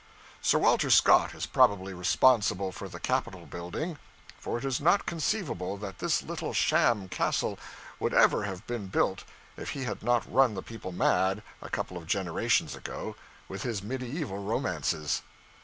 Sir Walter Scott is probably responsible for the Capitol building; for it is not conceivable that this little sham castle would ever have been built if he had not run the people mad, a couple of generations ago, with his medieval romances.